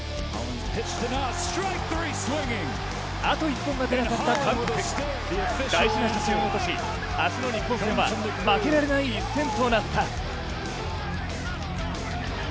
あと１本が出なかった韓国、大事な初戦を落とし明日の日本戦は負けられない一戦となった。